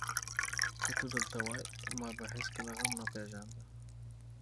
که ته دلته وای، ما به هېڅکله غم نه پېژانده.